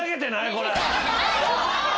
これ。